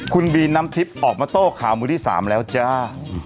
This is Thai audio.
คุณบีน้ำทิพย์ออกมาโต้ข่าวมือที่๓แล้วจ้า